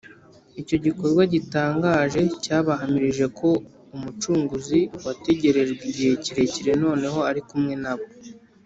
icyo gikorwa gitangaje cyabahamirije ko umucunguzi wategerejwe igihe kirekire noneho ari kumwe na bo